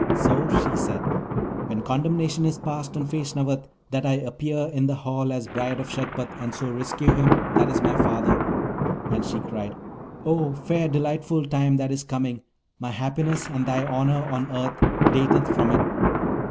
So she said, 'When condemnation is passed on Feshnavat, that I appear in the hall as bride of Shagpat, and so rescue him that is my father.' And she cried, 'Oh, fair delightful time that is coming! my happiness and thy honour on earth dateth from it.